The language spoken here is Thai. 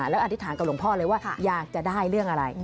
แล้วอธิษฐานกับหลวงพ่อเลยว่าอยากจะได้เรื่องอะไร